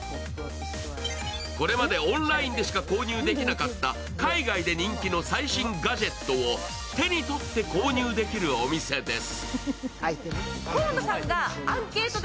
これまでオンラインでしか購入できなかった海外で人気の最新ガジェットを手に取って購入できるお店です。